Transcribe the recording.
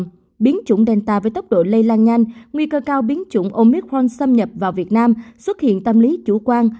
trước tình hình đó biến chủng delta với tốc độ lây lan nhanh nguy cơ cao biến chủng omicron xâm nhập vào việt nam xuất hiện tâm lý chủ quan